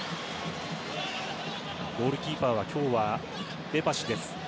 ゴールキーパーは今日はエパシです。